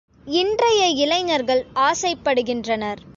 இன்றைய இளைஞர்கள் ஆசைப்படுகின்றனர்.